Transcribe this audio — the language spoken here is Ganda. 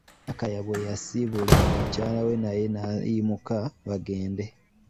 Akaya bwe yasiibula, mukyala we naye n'ayimuka bagende.